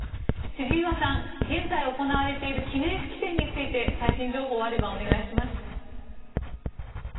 千々岩さん、現在行われている記念式典について最新情報があればお願いします。